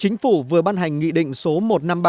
chính phủ vừa ban hành nghị định số một trăm năm mươi ba